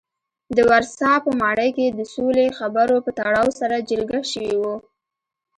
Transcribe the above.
د ورسا په ماڼۍ کې د سولې خبرو په تړاو سره جرګه شوي وو.